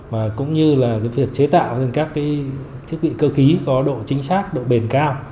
và cũng như là việc chế tạo các thiết bị cơ khí có độ chính xác độ bền cao